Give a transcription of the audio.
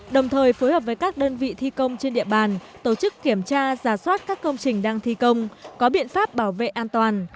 đồng thời phối hợp với các đơn vị thi công trên địa bàn tổ chức kiểm tra giả soát các công trình đang thi công có biện pháp bảo vệ an toàn